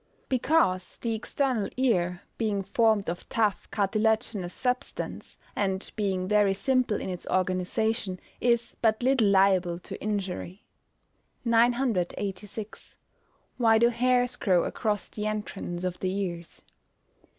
_ Because the external ear, being formed of tough cartilaginous substance, and being very simple in its organisation, is but little liable to injury. 986. _Why do hairs grow across the entrance of the ears?